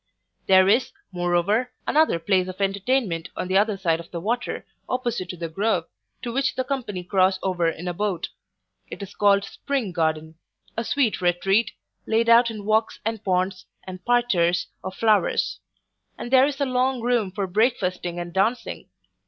There is, moreover, another place of entertainment on the other side of the water, opposite to the Grove, to which the company cross over in a boat It is called Spring garden; a sweet retreat, laid out in walks and ponds, and parterres of flowers; and there is a long room for breakfasting and dancing.